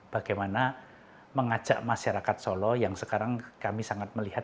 bagaimana mengajak masyarakat solo yang sekarang kami sangat melihat